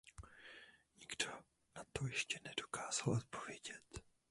Nikdo na to ještě nedokázal odpovědět.